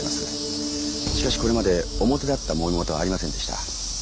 しかしこれまで表立ったもめ事はありませんでした。